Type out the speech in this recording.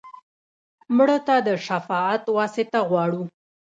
مړه ته د شفاعت واسطه غواړو